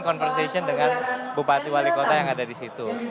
conversation dengan bupati wali kota yang ada di situ